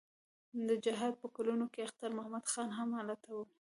د جهاد په کلونو کې اختر محمد خان هم هلته و.